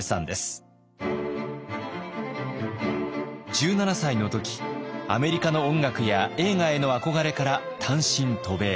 １７歳の時アメリカの音楽や映画への憧れから単身渡米。